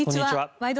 「ワイド！